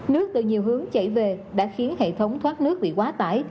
nước từ nhiều hướng chảy về đã khiến hệ thống thoát nước bị quá tải